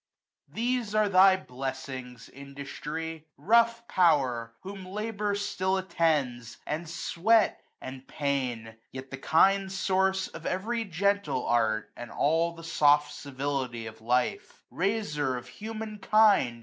These are thy blessings. Industry ! rough power ! Whom labour still attends, and fweat, and pain ; Yet the kind source of every gentle art, 45 And all the soft civility of lite : Raiser of human kuid